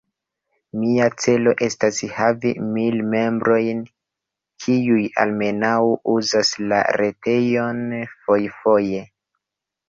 Mia celo estas havi mil membrojn, kiuj almenaŭ uzas la retejon fojfoje.